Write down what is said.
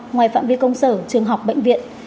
ngoài phạm vi công sở trường học bệnh viện